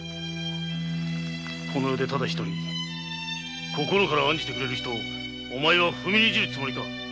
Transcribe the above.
この世で心から案じてくれる人をお前は踏みにじるつもりか。